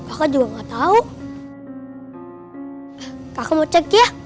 aku mau cek ya